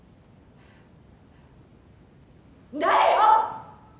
誰よ！